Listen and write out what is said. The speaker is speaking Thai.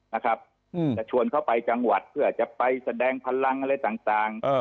นะครับจะชวนเข้าไปจังหวัดเพื่อจะไปแสดงพลังอะไรต่าง